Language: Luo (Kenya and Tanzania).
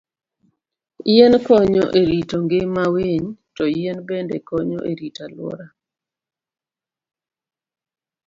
Yien konyo e rito ngima winy, to yien bende konyo e rito alwora.